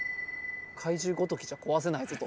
怪獣ごときじゃ壊せないぞと。